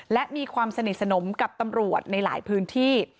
และมีความสนิทสนมกับตำรวจในหลายพื้นที่